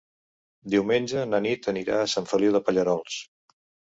Diumenge na Nit anirà a Sant Feliu de Pallerols.